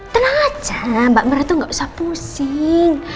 tenang aja mbak mir itu gak usah pusing